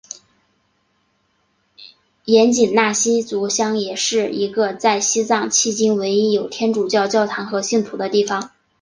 盐井纳西族乡也是一个在西藏迄今唯一有天主教教堂和信徒的地方。